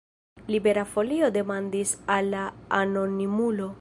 Libera Folio demandis al la anonimulo.